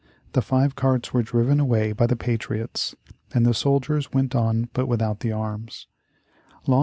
The five carts were driven away by the patriots and the soldiers went on but without the arms.